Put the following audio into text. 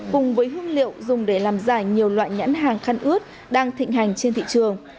cùng với hương liệu dùng để làm giả nhiều loại nhãn hàng khăn ướt đang thịnh hành trên thị trường